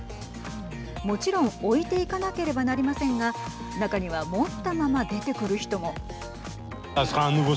もちろん置いていかなければなりませんが中には持ったまま出てくる人も。